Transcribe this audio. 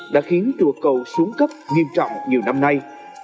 đã khiến chùa cầu xuống cấp nghiêm trọng nhiều năm nay